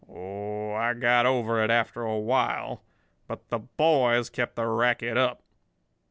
Oh, I got over it after a while. But the boys kept the racket up."